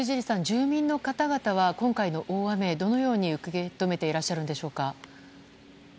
住民の方々は今回の大雨どのように受け止めていらっしゃるんでしょうか。